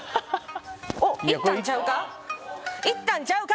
おっいったんちゃうか？